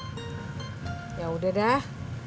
kalian yang makin kuat